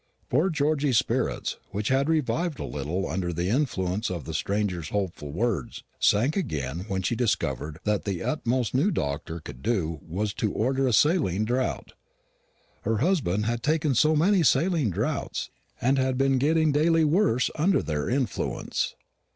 Poor Georgy's spirits, which had revived a little under the influence of the stranger's hopeful words, sank again when she discovered that the utmost the new doctor could do was to order a saline draught. Her husband had taken so many saline draughts, and had been getting daily worse under their influence.